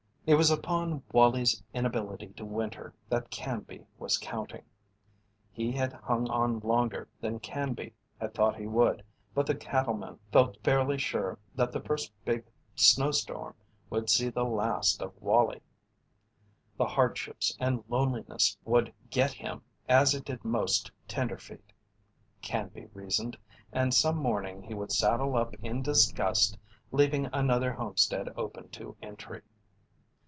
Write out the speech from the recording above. It was upon Wallie's inability to "winter" that Canby was counting. He had hung on longer than Canby had thought he would, but the cattleman felt fairly sure that the first big snowstorm would see the last of Wallie. The hardships and loneliness would "get" him as it did most tenderfeet, Canby reasoned, and some morning he would saddle up in disgust, leaving another homestead open to entry.